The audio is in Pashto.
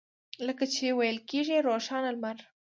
لکه چې ویل کېږي روښانه لمر.